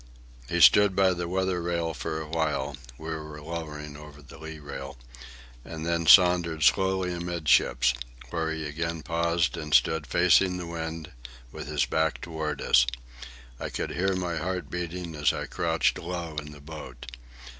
He stood by the weather rail for a time (we were lowering over the lee rail), and then sauntered slowly amidships, where he again paused and stood facing the wind, with his back toward us. I could hear my heart beating as I crouched low in the boat.